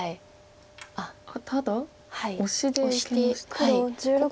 ただオシでいきました。